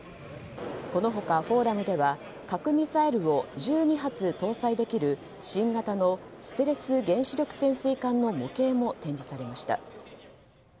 この他、フォーラムでは核ミサイルを１２発搭載できる新型のステルス原子力潜水艦の模型も展示されました。